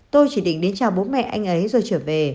tôi chỉ định đến chào bố mẹ anh ấy rồi trở về